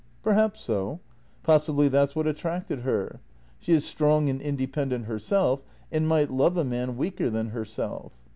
"" Perhaps so. Possibly that's what attracted her. She is strong and independent herself, and might love a man weaker than herself."